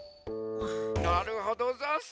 なるほどざんす。